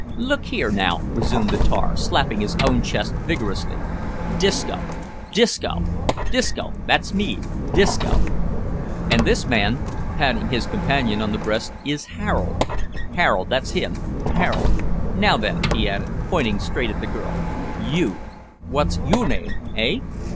"Look here, now," resumed the tar, slapping his own chest vigorously, "Disco, Disco, Disco, that's me Disco. And this man," (patting his companion on the breast) "is Harold, Harold, that's him Harold. Now, then," he added, pointing straight at the girl, "you what's you name, eh?"